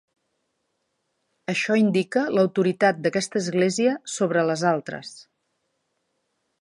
Això indica l'autoritat d'aquesta església sobre les altres.